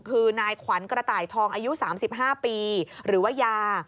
คือนายขวัญกระต่ายทองอายุ๓๕ปีหรือว่ายา